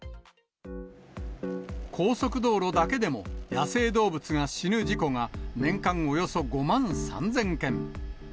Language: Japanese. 高速道路だけでも、野生動物が死ぬ事故が、年間およそ５万３０００件。